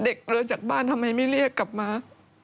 ออกไปที่นั่นเด็กเลิกจากบ้านทำไมไม่เรียกกลับมา